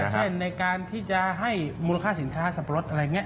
เช่นในการที่จะให้มูลค่าสินค้าสับปะรดอะไรอย่างนี้